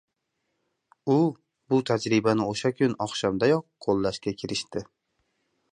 U bu tajribani oʻsha kun oqshomdayoq qoʻllashga kirishdi.